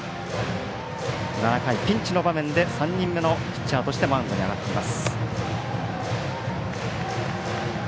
７回ピンチの場面で３人目のピッチャーとしてマウンドに上がっています。